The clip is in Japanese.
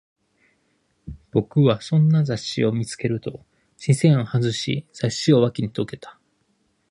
僕はそんな雑誌を見つけると、視線を外し、雑誌を脇にどけた